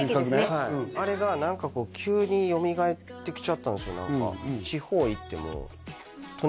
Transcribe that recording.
はいあれが何かこう急によみがえってきちゃったんですよ